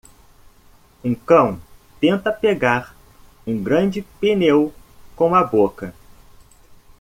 Um cão tenta pegar um grande pneu com a boca.